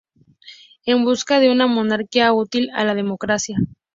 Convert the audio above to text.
En busca de una monarquía útil a la democracia".